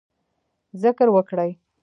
ذکر وکړئ